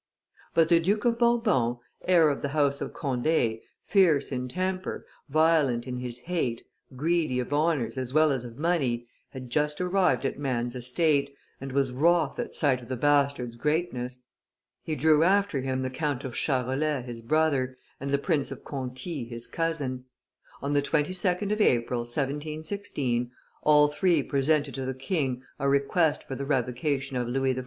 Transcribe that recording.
But the Duke of Bourbon, heir of the House of Conde, fierce in temper, violent in his hate, greedy of honors as well as of money, had just arrived at man's estate, and was wroth at sight of the bastards' greatness. He drew after him the Count of Charolais his brother, and the Prince of Conti his cousin; on the 22d of April, 1716, all three presented to the king a request for the revocation of Louis XIV.